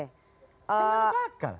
ini gak ada akal